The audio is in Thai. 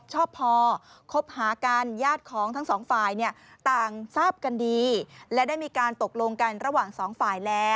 จ้าสาก็ไม่ธรรมดานะ